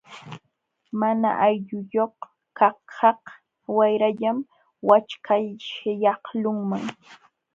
Mana aylluyuq kaqkaq wayrallam wakchaśhyaqlunman.